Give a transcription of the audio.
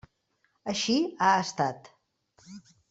Així ha estat.